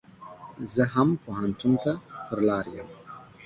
زه هم پو هنتون ته پر لار يم.